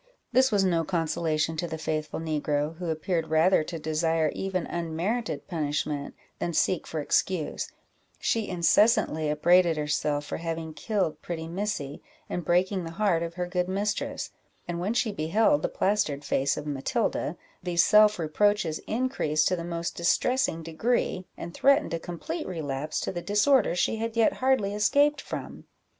This was no consolation to the faithful negro, who appeared rather to desire even unmerited punishment than seek for excuse; she incessantly upbraided herself for having killed pretty Missy, and breaking the heart of her good mistress; and when she beheld the plastered face of Matilda, these self reproaches increased to the most distressing degree, and threatened a complete relapse to the disorder she had yet hardly escaped from.